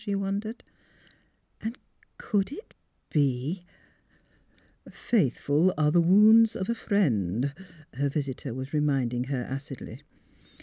she wondered; and could it be ?" Faithful are the wounds of a friend," her visitor was reminding her acidly.